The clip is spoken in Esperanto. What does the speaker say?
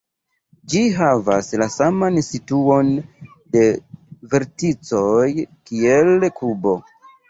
Ĝi havas la saman situon de verticoj kiel kubo.